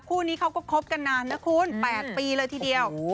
คู่นี้เขาก็คบกันนานนะคุณ๘ปีเลยทีเดียว